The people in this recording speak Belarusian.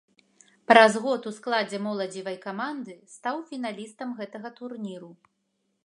Праз год у складзе моладзевай каманды стаў фіналістам гэтага турніру.